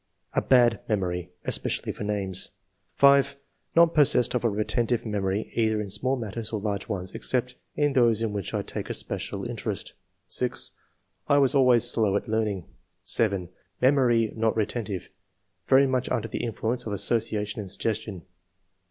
"A bad memory, especially for names." 5. '* Not possessed of a retentive memory either in small matters or large ones, except in those in which I take a special interest." 6. "I was always slow at learning." 7. " Memory not retentive ; very much under the influence of association and suggestion.